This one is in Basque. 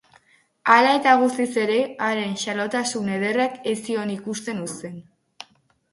Hala eta guztiz ere, haren xalotasun ederrak ez zion ikusten uzten.